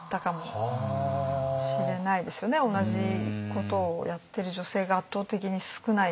同じことをやってる女性が圧倒的に少ないから。